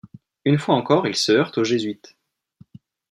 Une fois encore il se heurte aux Jésuites.